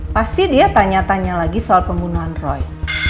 pasti dia tanya tanya lagi soal pembunuhan roy